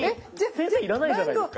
先生要らないじゃないですか。